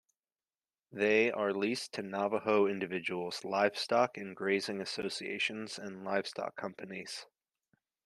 They are leased to Navajo individuals, livestock and grazing associations, and livestock companies.